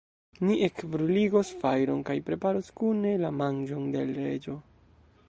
Ni ekbruligos fajron kaj preparos kune la manĝon de l' Reĝo.